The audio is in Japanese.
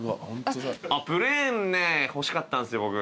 プレーン欲しかったんですよ